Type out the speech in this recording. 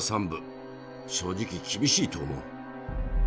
正直厳しいと思う。